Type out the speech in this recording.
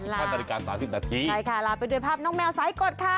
ห้านาฬิกาสามสิบนาทีใช่ค่ะลาไปด้วยภาพน้องแมวสายกดค่ะ